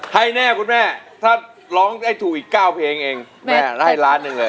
ให้แน่คุณแม่ถ้าร้องได้ถูกอีก๙เพลงเองแม่ได้ล้านหนึ่งเลย